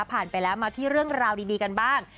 ไปแล้วมาที่เรื่องราวดีกันบ้าง